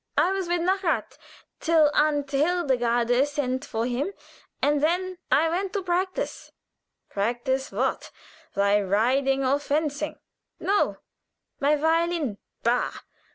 "I was with Nahrath till Aunt Hildegarde sent for him, and then I went to practice." "Practice what? Thy riding or fencing?" "No; my violin." "Bah!